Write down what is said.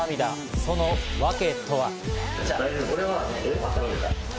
その訳とは？